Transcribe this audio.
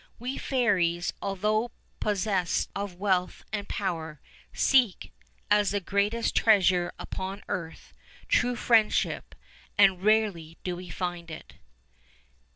We fairies, although pos sessed of wealth and power, seek, as the greatest treasure upon earth, true friendship, and rarely do we find it."